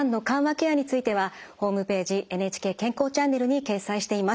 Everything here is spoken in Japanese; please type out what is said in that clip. ケアについてはホームページ「ＮＨＫ健康チャンネル」に掲載しています。